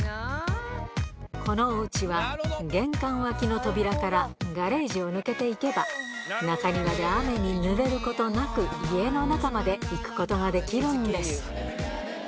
このおうちは、玄関脇の扉からガレージを抜けていけば、中庭で雨にぬれることなく、家の中まで行くことができるんです。